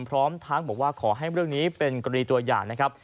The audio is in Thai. พร้อมทั้งบอกว่าขอให้เรื่องนี้เป็นกรณีตัวอย่างนะครับ